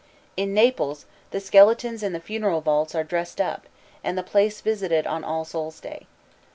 In Naples the skeletons in the funeral vaults are dressed up, and the place visited on All Souls' Day.